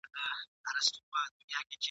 که خندل دي نو به ګورې چي نړۍ درسره خاندي ,